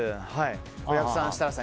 小籔さん、設楽さん